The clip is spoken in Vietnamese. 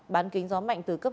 bán kính gió mạnh từ cấp sáu